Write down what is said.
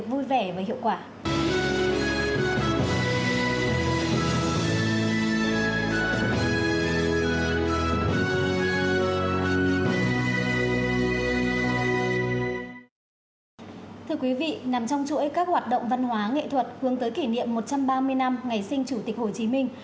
chương trình nghệ thuật hướng tới kỷ niệm một trăm ba mươi năm ngày sinh chủ tịch hồ chí minh